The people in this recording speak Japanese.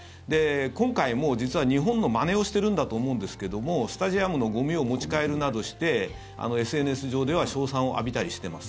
今回も実は日本のまねをしてるんだと思うんですけどもスタジアムのゴミを持ち帰るなどしてＳＮＳ上では称賛を浴びたりしてます。